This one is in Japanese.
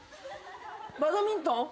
バドミントン？